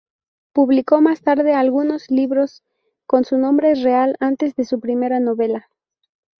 Publicó más tarde algunos libros con su nombre real antes de su primera novela.